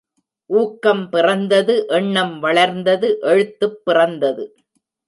ஊக்கம் பிறந்தது எண்ணம் வளர்ந்தது எழுத்துப் பிறந்தது!